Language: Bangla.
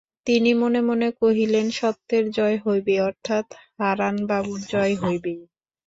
তিনি মনে মনে কহিলেন, সত্যের জয় হইবেই, অর্থাৎ হারানবাবুর জয় হইবেই।